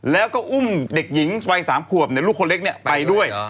แล้วก็อุ้มเด็กหญิงสวรรค์๓ควบลูกคนเล็กเนี่ยไปด้วย